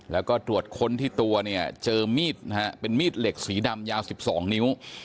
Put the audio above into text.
แล้วก็ตรวจค้นที่ตัวเนี่ยเจอมีดนะฮะเป็นมีดเหล็กสีดำยาว๑๒นิ้ว